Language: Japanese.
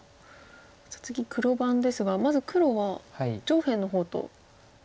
さあ次黒番ですがまず黒は上辺の方と右辺の方